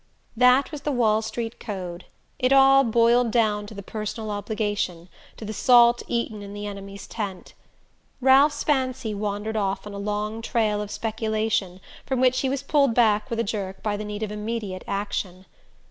That was the Wall Street code: it all "boiled down" to the personal obligation, to the salt eaten in the enemy's tent. Ralph's fancy wandered off on a long trail of speculation from which he was pulled back with a jerk by the need of immediate action.